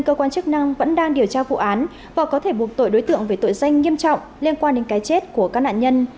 cơ quan chức năng vẫn đang điều tra vụ án và có thể buộc tội đối tượng về tội danh nghiêm trọng liên quan đến cái chết của các nạn nhân